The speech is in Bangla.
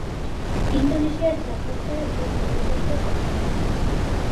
ইন্দোনেশিয়ার জাকার্তায় এর সদর দপ্তর অবস্থিত।